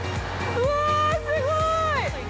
うわ、すごい。